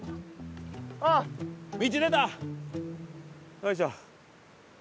よいしょ。